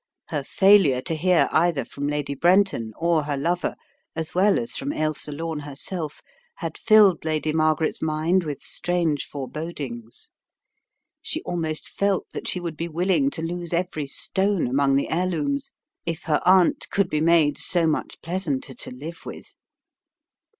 Her failure to hear either from Lady Brenton or her lover, as well as from Ailsa Lome herself, had filled Lady Margaret's mind with strange forebodings. She almost felt that she would be willing to lose every stone among the heirlooms if her aunt could be made so much pleasanter to live with.